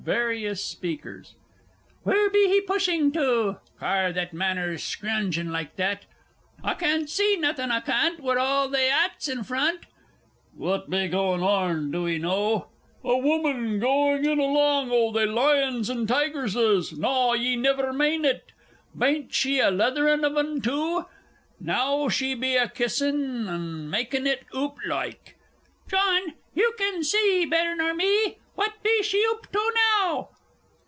VARIOUS SPEAKERS. Wheer be pushin' to? Car that manners screouging like that!... I cann't see nawthen, I cann't wi' all they 'ats in front.... What be gooin' arn, do 'ee know?... A wumman gooin' in along 'o they lions and tigerses? Naw, ye niver mane it!... Bain't she a leatherin' of 'un too!... Now she be a kissin' of 'un maakin' it oop loike.... John, you can see better nor me what be she oop to now?...